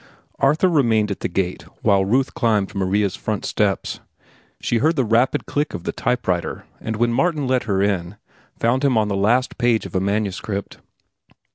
Arthur remained at the gate while Ruth climbed Maria's front steps. She heard the rapid click of the type writer, and when Martin let her in, found him on the last page of a manuscript.